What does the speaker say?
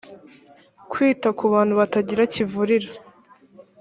kwita ku bantu batagira kivurira